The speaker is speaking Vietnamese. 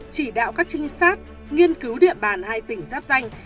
chỉ đạo các trinh sát nghiên cứu địa bàn hai tỉnh giáp danh